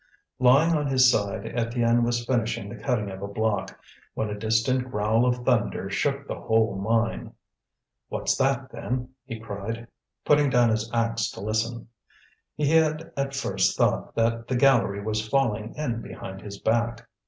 Lying on his side, Étienne was finishing the cutting of a block, when a distant growl of thunder shook the whole mine. "What's that, then?" he cried, putting down his axe to listen. He had at first thought that the gallery was falling in behind his back.